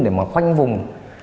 để mà quanh vùng